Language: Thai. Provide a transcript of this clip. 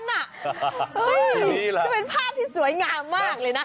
จะเป็นภาพที่สวยงามมากเลยนะ